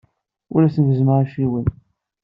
Ur asen-gezzmeɣ acciwen.